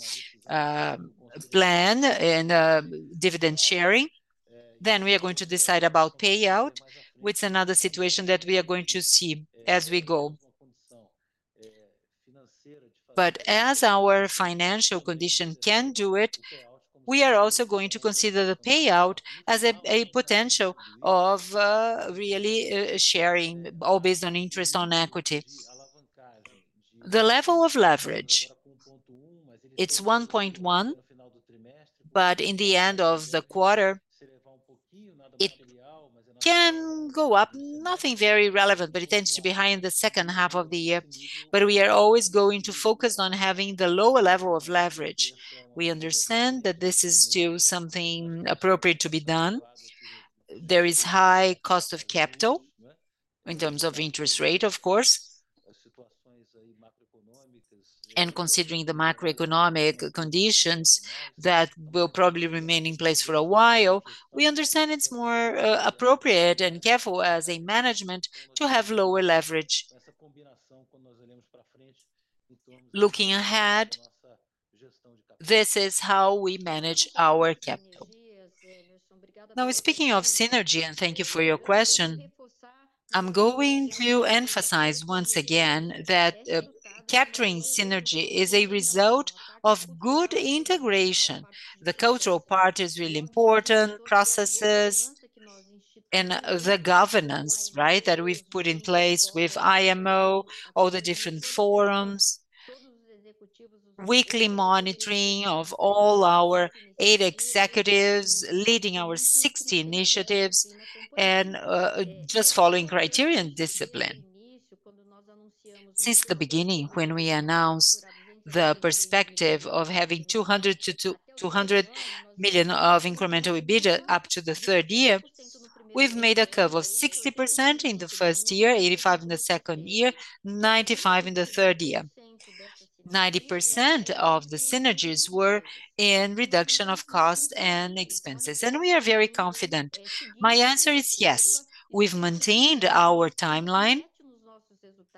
plan and dividend sharing. Then we are going to decide about payout, which another situation that we are going to see as we go. But as our financial condition can do it, we are also going to consider the payout as a potential of really sharing, all based on interest on equity. The level of leverage, it's 1.1, but in the end of the quarter, it can go up. Nothing very relevant, but it tends to be high in the second half of the year. But we are always going to focus on having the lower level of leverage. We understand that this is still something appropriate to be done. There is high cost of capital, in terms of interest rate, of course. And considering the macroeconomic conditions that will probably remain in place for a while, we understand it's more appropriate and careful as a management to have lower leverage. Looking ahead, this is how we manage our capital. Now, speaking of synergy, and thank you for your question, I'm going to emphasize once again that capturing synergy is a result of good integration. The cultural part is really important, processes, and the governance, right, that we've put in place with IMO, all the different forums, weekly monitoring of all our 8 executives leading our 60 initiatives, and just following criterion discipline. Since the beginning, when we announced the perspective of having 200-200 million of incremental EBITDA up to the third year, we've made a curve of 60% in the first year, 85% in the second year, 95% in the third year. 90% of the synergies were in reduction of cost and expenses, and we are very confident. My answer is yes, we've maintained our timeline.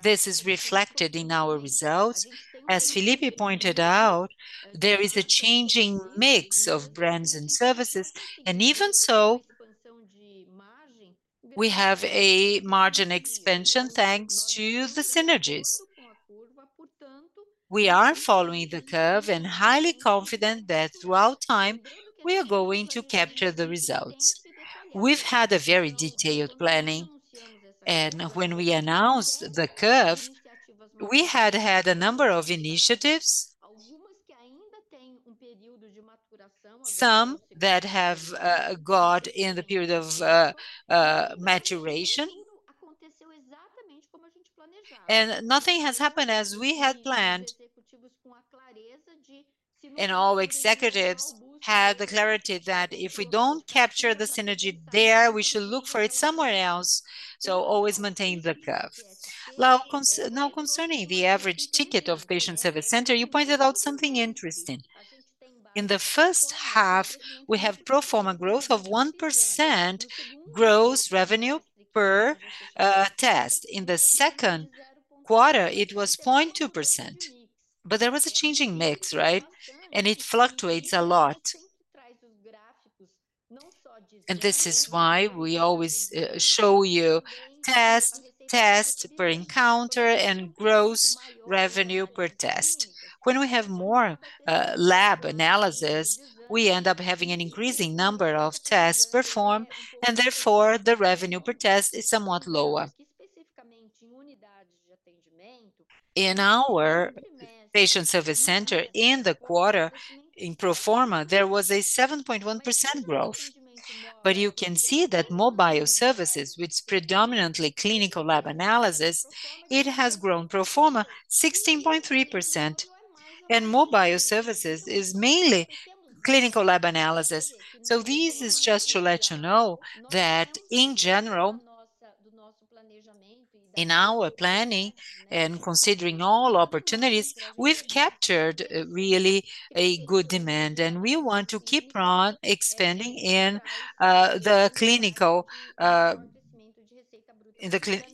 This is reflected in our results. As Filippo pointed out, there is a changing mix of brands and services, and even so, we have a margin expansion thanks to the synergies. We are following the curve and highly confident that throughout time, we are going to capture the results. We've had a very detailed planning, and when we announced the curve, we had had a number of initiatives. Some that have got in the period of maturation, and nothing has happened as we had planned. All executives have the clarity that if we don't capture the synergy there, we should look for it somewhere else, so always maintain the curve. Now, concerning the average ticket of patient service center, you pointed out something interesting. In the first half, we have pro forma growth of 1% gross revenue per test. In the second quarter, it was 0.2%, but there was a changing mix, right? And it fluctuates a lot. And this is why we always show you tests, tests per encounter and gross revenue per test. When we have more lab analysis, we end up having an increasing number of tests performed, and therefore, the revenue per test is somewhat lower. In our patient service center, in the quarter, in pro forma, there was a 7.1% growth. But you can see that mobile services, which is predominantly clinical lab analysis, it has grown pro forma 16.3%, and mobile services is mainly clinical lab analysis. So this is just to let you know that in general, in our planning and considering all opportunities, we've captured, really, a good demand, and we want to keep on expanding in the clinical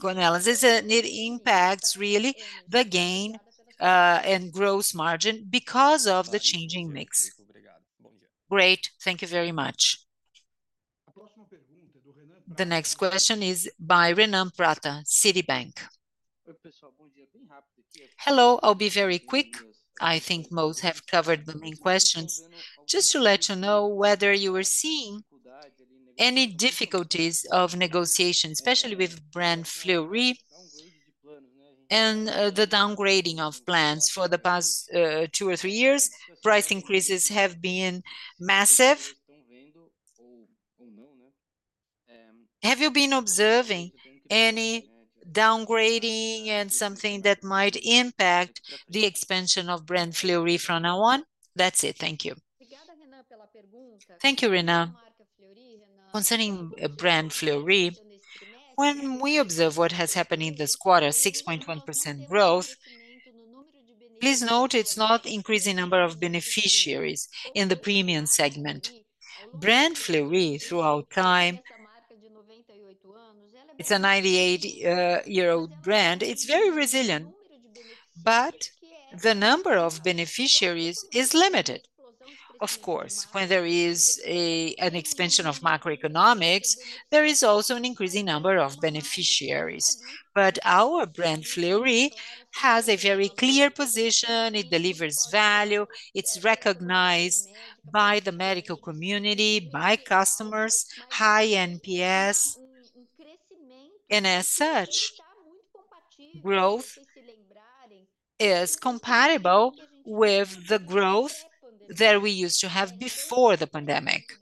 analysis, it impacts really the gain and gross margin because of the changing mix. Great. Thank you very much. The next question is by Renan Prata, Citibank. Hello, I'll be very quick. I think most have covered the main questions. Just to let you know whether you are seeing any difficulties of negotiation, especially with brand Fleury and the downgrading of plans for the past two or three years, price increases have been massive. Have you been observing any downgrading and something that might impact the expansion of brand Fleury from now on? That's it. Thank you. Thank you, Renan. Concerning brand Fleury, when we observe what has happened in this quarter, 6.1% growth, please note it's not increasing number of beneficiaries in the premium segment. brand Fleury, throughout time, it's a 98-year-old brand. It's very resilient, but the number of beneficiaries is limited. Of course, when there is an expansion of macroeconomics, there is also an increasing number of beneficiaries. But our brand Fleury has a very clear position. It delivers value, it's recognized by the medical community, by customers, high NPS, and as such, growth is compatible with the growth that we used to have before the pandemic.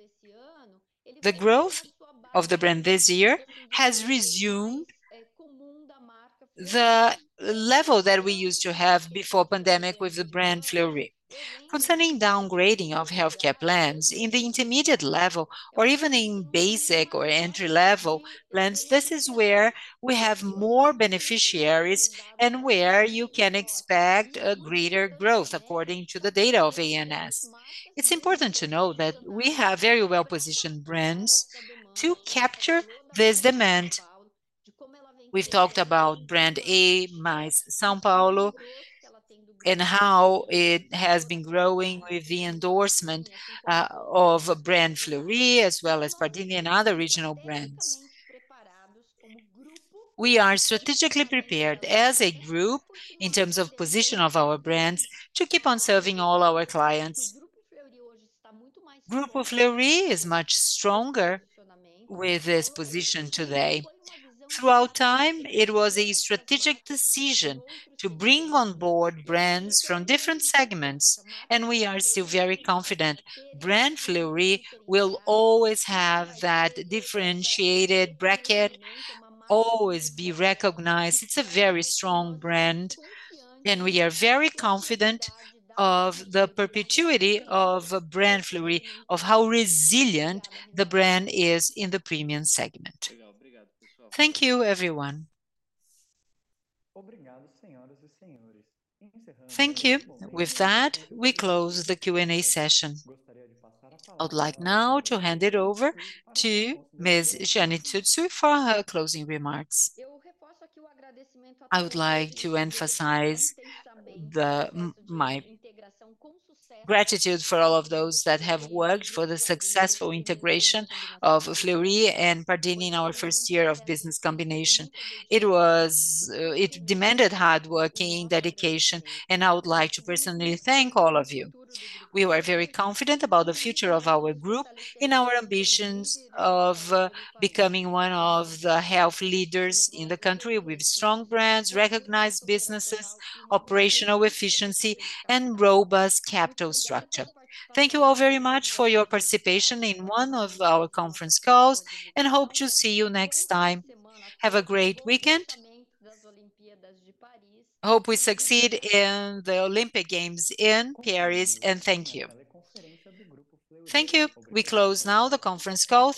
The growth of the brand this year has resumed the level that we used to have before pandemic with the brand Fleury. Concerning downgrading of healthcare plans, in the intermediate level or even in basic or entry-level plans, this is where we have more beneficiaries and where you can expect a greater growth according to the data of ANS. It's important to know that we have very well-positioned brands to capture this demand. We've talked about a+ São Paulo, and how it has been growing with the endorsement of brand Fleury, as well as Pardini and other regional brands. We are strategically prepared as a group in terms of position of our brands, to keep on serving all our clients. Grupo Fleury is much stronger with this position today. Throughout time, it was a strategic decision to bring on board brands from different segments, and we are still very confident. brand Fleury will always have that differentiated bracket, always be recognized. It's a very strong brand, and we are very confident of the perpetuity of brand Fleury, of how resilient the brand is in the premium segment. Thank you, everyone. Thank you. With that, we close the Q&A session. I would like now to hand it over to Ms. Jeane Tsutsui for her closing remarks. I would like to emphasize my gratitude for all of those that have worked for the successful integration of Fleury and Pardini in our first year of business combination. It was. It demanded hard working, dedication, and I would like to personally thank all of you. We were very confident about the future of our group and our ambitions of becoming one of the health leaders in the country, with strong brands, recognized businesses, operational efficiency, and robust capital structure. Thank you all very much for your participation in one of our conference calls, and hope to see you next time. Have a great weekend. Hope we succeed in the Olympic Games in Paris, and thank you. Thank you. We close now the conference call.